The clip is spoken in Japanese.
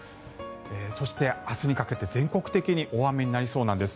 そして、明日にかけて全国的に大雨になりそうなんです。